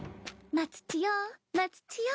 松千代松千代。